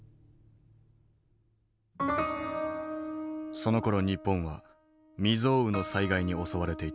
そのころ日本は未曽有の災害に襲われていた。